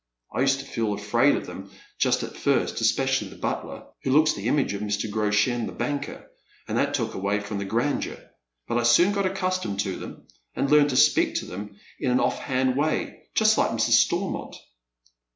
I used to feel afraid of them just at first,' especially the butler, who looks the image of Mr. Grosheu the banker, and that took away from the grandeur ; but I soon got accustomed to them, and learned to speak to them in an off hand way, just like Mrs. Stonnont."